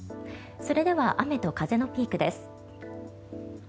それでは、雨と風のピークです。